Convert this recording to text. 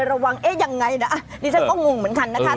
ระวังเอ๊ะยังไงนะดิฉันก็งงเหมือนกันนะคะ